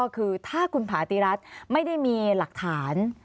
คือถ้าคุณผาติรัฐไม่ได้มีหลักฐาน